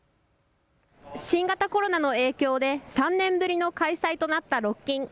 新型コロナの影響で３年ぶりの開催となったロッキン。